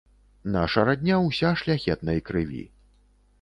Наша радня ўся шляхетнай крыві.